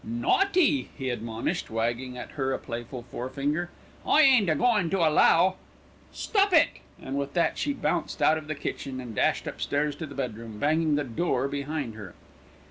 "Naughty!" he admonished, wagging at her a playful forefinger. "I ain't a goin' to allow " "Stop it!" and with that she bounced out of the kitchen and dashed upstairs to the bedroom, banging the door behind her.